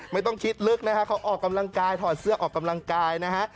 ไม่ต้องคิดลึกนะฮะเขาออกกำลังกายถอดเสื้อออกกำลังกายนะฮะ